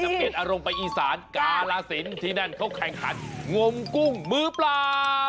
จังเกตอรมณ์ไปอีสานกาละสินที่นั่นเขาแข่งขันโง่มกุ้งมื้อเปล่า